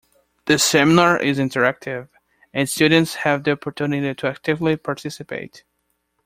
The seminar is interactive, and students have the opportunity to actively participate.